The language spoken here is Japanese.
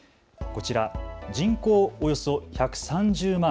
こちら人口およそ１３０万。